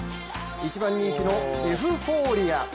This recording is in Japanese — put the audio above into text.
一番人気のエフフォーリア。